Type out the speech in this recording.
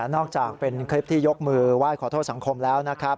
จากเป็นคลิปที่ยกมือไหว้ขอโทษสังคมแล้วนะครับ